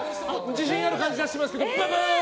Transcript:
自信ある感じ出してますけどブブー！